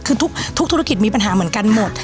คือทุกธุรกิจมีปัญหาเหมือนกันหมด